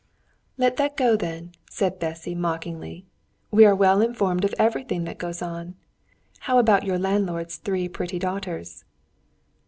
"Let that go, then!" said Bessy mockingly. "We are well informed of everything that goes on. How about your landlord's three pretty daughters?"